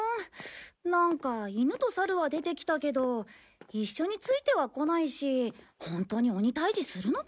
なんかイヌとサルは出てきたけど一緒については来ないしホントに鬼退治するのかな？